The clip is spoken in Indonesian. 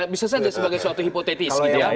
bisa saja sebagai suatu hipotesis